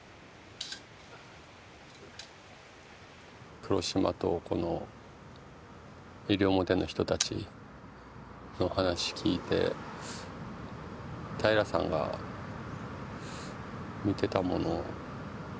黒島とこの西表の人たちの話聞いて平良さんが見てたもの